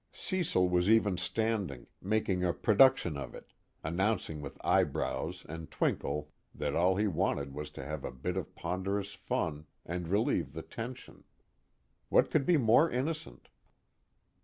Cecil was even standing, making a production of it, announcing with eyebrows and twinkle that all he wanted was to have a bit of ponderous fun and relieve the tension: what could be more innocent?